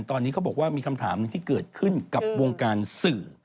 ตอนนี้เขาบอกว่ามีคำถามหนึ่งที่เกิดขึ้นกับวงการสื่อ